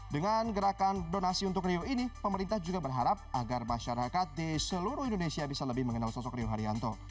dengan gerakan donasi untuk rio ini pemerintah juga berharap agar masyarakat di seluruh indonesia bisa lebih mengenal sosok rio haryanto